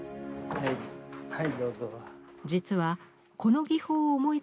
はいはい。